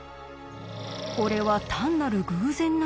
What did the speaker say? これは単なる偶然なのか？